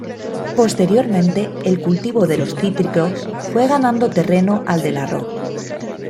Posteriormente el cultivo de los cítricos fue ganando terreno al del arroz.